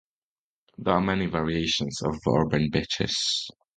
There are many variations of urban beaches.